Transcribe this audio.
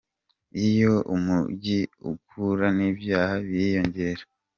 Iyo umujyi ukura n’ibyaha biriyongera